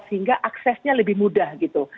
sehingga aksesnya lebih mudah gitu